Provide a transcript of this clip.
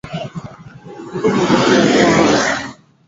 Ambapo baba yake alikuwa mlinzi na baadaye alitumia